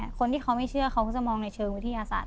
เพราะฉะนั้นที่เขาไม่เชื่อเขาก็จะมองในเชิงวิทยาศาสตร์